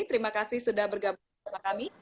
terima kasih sudah bergabung bersama kami